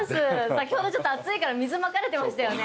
先ほどちょっと暑いから水まかれてましたよね。